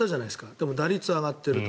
でも打率は上がっていると。